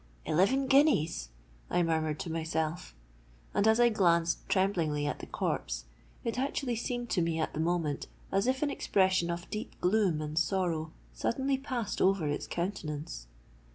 'Eleven guineas!' I murmured to myself; and, as I glanced tremblingly at the corpse, it actually seemed to me at the moment as if an expression of deep gloom and sorrow suddenly passed over its countenance.